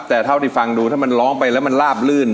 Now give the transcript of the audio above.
แต่เท่าที่ฟังดูถ้ามันร้องไปแล้วมันลาบลื่น